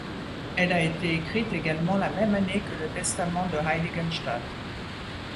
Elle a été écrite également la même année que le Testament de Heiligenstadt.